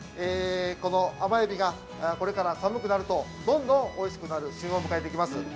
この甘エビがこれから寒くなると、どんどんおいしくなる旬を迎えます。